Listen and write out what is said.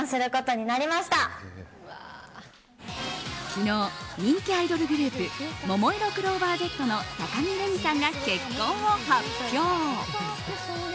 昨日、人気アイドルグループももいろクローバーＺの高城れにさんが結婚を発表。